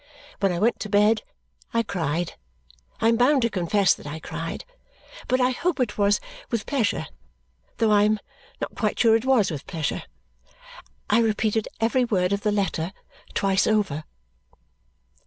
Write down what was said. When I went to bed, I cried. I am bound to confess that I cried; but I hope it was with pleasure, though I am not quite sure it was with pleasure. I repeated every word of the letter twice over.